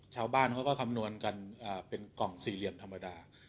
ชาวบ้านเขาก็คำนวณกันเป็นกล่องสี่เหลี่ยมธรรมดา